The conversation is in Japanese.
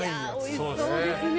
おいしそうですね。